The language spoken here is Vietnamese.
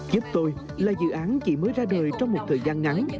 giúp tôi là dự án chỉ mới ra đời trong một thời gian ngắn